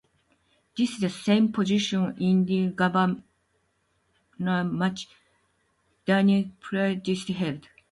This is the same position Indiana Governor Mitch Daniels previously held.